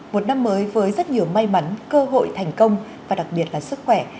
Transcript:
một năm mới với rất nhiều may mắn cơ hội thành công và đặc biệt là sức khỏe